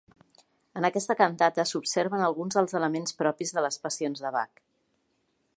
En aquesta cantata s'observen alguns dels elements propis de les passions de Bach.